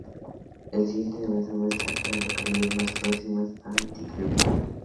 El siguiente diagrama muestra a las localidades más próximas a Greenville.